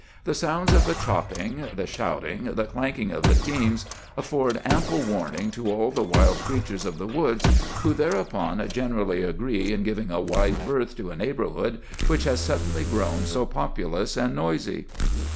The sounds of the chopping, the shouting, the clanking of the teams, afford ample warning to all the wild creatures of the woods, who thereupon generally agree in giving a wide berth to a neighborhood which has suddenly grown so populous and noisy.